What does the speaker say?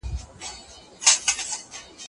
هغه په خپل ليکني مشهوره سو.